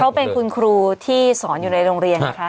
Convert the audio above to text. เขาเป็นคุณครูที่สอนอยู่ในโรงเรียนนะคะ